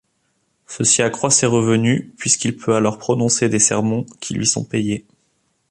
Ceci accroît ses revenus, puisqu'il peut alors prononcer des sermons qui lui sont payés.